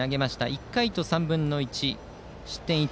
１回と３分の１、失点１。